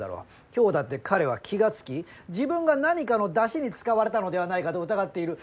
今日だって彼は気が付き自分が何かのダシに使われたのではないかと疑っている。